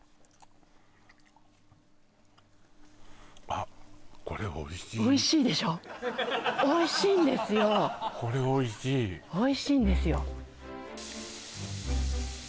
あっおいしいでしょおいしいんですよこれおいしいおいしいんですよ